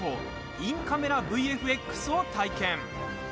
インカメラＶＦＸを体験。